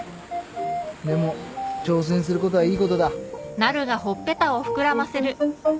でも挑戦することはいいことだ。